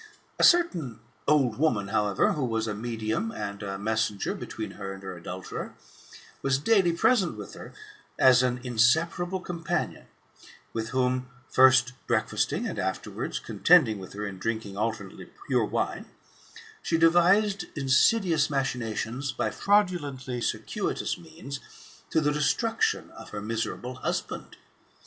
A certain old woman, however, who was a medium and a messenger between her and her adulterer, was daily present with her as an inseparable companion; with whom first breakfasting, and afterwards contending with her in drinking alternately pure wine, she devised insidious machinations, by fraudulently cir* cuitous means, to the destruction of her miserable husband.